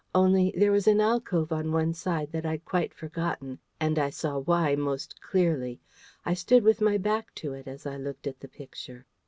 Only, there was an alcove on one side that I'd quite forgotten, and I saw why most clearly. I stood with my back to it as I looked at the Picture.